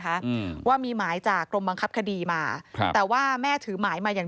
อืมว่ามีหมายจากกรมบังคับคดีมาครับแต่ว่าแม่ถือหมายมาอย่าง